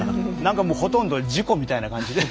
ほとんど事故みたいな感じで。